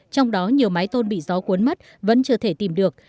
trong đó nhiều mái tôn bị gió cuốn mất vẫn chưa thể tìm được